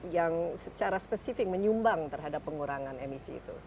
yang secara spesifik menyumbang terhadap pengurangan emisi itu